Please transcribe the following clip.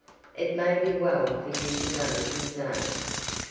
It may be well for you to know his name."